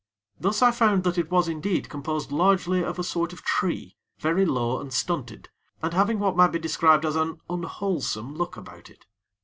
Thus I found that it was indeed composed largely of a sort of tree, very low and stunted, and having what might be described as an unwholesome look about it.